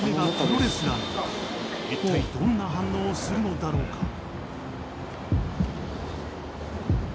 いったいどんな反応をするのだろうか。